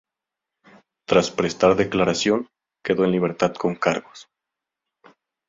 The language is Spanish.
Tras prestar declaración, quedó en libertad con cargos.